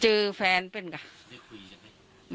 เจอแฟนเป็นก่ะได้คุยจังไม่